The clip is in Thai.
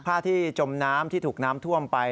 ผ้าที่จมน้ำที่ถูกน้ำท่วมไป